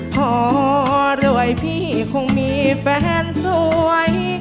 พอรวยพี่คงมีแฟนสวย